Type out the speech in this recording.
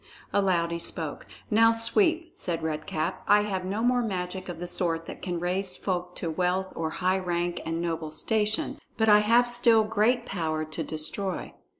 Aloud he spoke: "Now, Sweep," said Red Cap, "I have no more magic of the sort that can raise folk to wealth or high rank and noble station; but I have still great power to destroy.